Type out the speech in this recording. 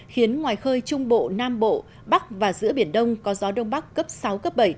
khiến ngoài khơi trung bộ nam bộ bắc và giữa biển đông có gió đông bắc cấp sáu cấp bảy